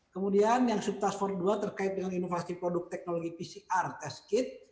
kemudian yang sub task force dua terkait dengan inovasi produk teknologi pcr test kit